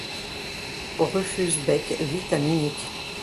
Rufus Beck vit à Munich.